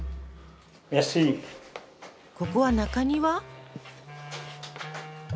ここは中庭？